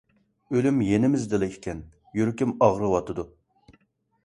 ئۆلۈم يېنىمىزدىلا ئىكەن... يۈرىكىم ئاغرىۋاتىدۇ.